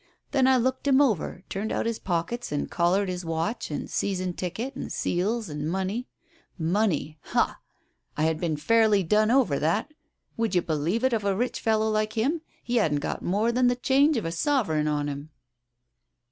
Then I looked him over, turned out his pockets and collared his watch and season ticket and seals and money. Money — hah !— I had been fairly done over that. Would you believe it of a rich fellow like him, he hadn't got more than the change of a sovereign on him."